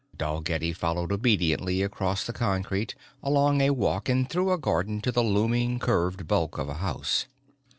Dalgetty followed obediently across the concrete, along a walk and through a garden to the looming curved bulk of a house.